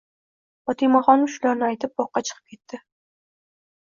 Fotimaxonim shularni aytib boqqa chiqib ketdi.